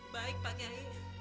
baik pak geri